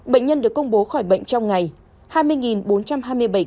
bệnh nhân được công bố khỏi bệnh trong ngày hai mươi bốn trăm hai mươi bảy ca